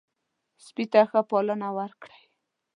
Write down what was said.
سپي ته ښه پالنه وکړئ.